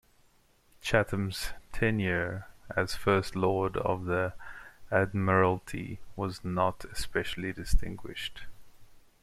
Chatham's tenure as First Lord of the Admiralty was not especially distinguished.